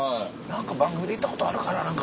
何か番組で行ったことあるかな？